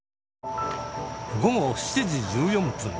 午後７時１４分。